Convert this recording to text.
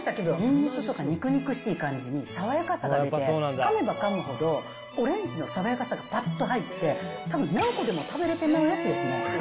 にくにくしい感じに爽やかさが出て、かめばかむほどオレンジの爽やかさがぱっと入って、たぶん何個でも食べれてまうやつですね。